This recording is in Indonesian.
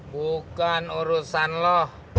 bukan urusan lo